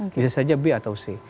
bisa saja b atau c